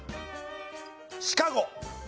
『シカゴ』。